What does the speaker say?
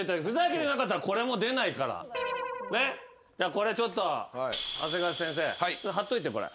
これちょっとハセガワ先生貼っといてこれ。